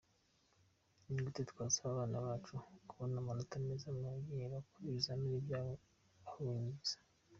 Ni gute twasaba abana bacu kubona amanota meza mu gihe bakora ibizamini byabo bahunyiza?".